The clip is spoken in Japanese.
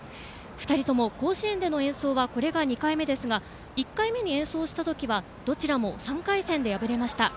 ２人とも甲子園での演奏はこれが２回目ですが１回目に演奏した時はどちらも３回戦で敗れました。